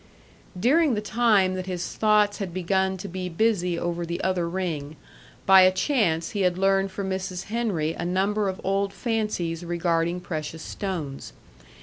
During the time that his thoughts had begun to be busy over the other ring, by a chance he had learned from Mrs. Henry a number of old fancies regarding precious stones.